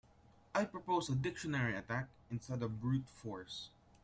I'd propose a dictionary attack instead of brute force.